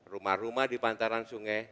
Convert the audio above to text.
rumah rumah di pantaran sungai